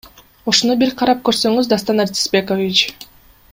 Ушуну бир карап көрсөңүз Дастан Артисбекович.